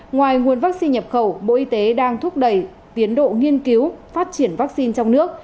ngoài nguồn vaccine nhập khẩu bộ y tế đang thúc đẩy tiến độ nghiên cứu phát triển vaccine trong nước